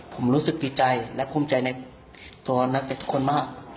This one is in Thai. ผมรู้สึกดีใจและภูมิใจในตัวนักเตะทุกคนมาก